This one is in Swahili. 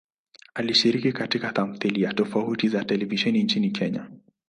Alishiriki katika tamthilia tofauti za televisheni nchini Kenya.